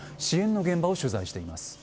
支援の現場を取材しています。